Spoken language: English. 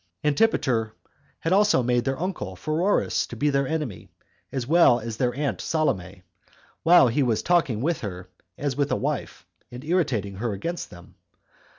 Antipater had also made their uncle Pheroras to be their enemy, as well as their aunt Salome, while he was always talking with her, as with a wife, and irritating her against them.